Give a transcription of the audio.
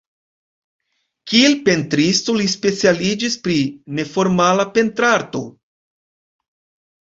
Kiel pentristo, li specialiĝis pri neformala pentrarto.